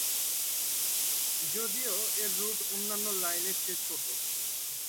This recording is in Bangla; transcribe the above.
যদিও এর রুট অন্যান্য লাইনের চেয়ে ছোট।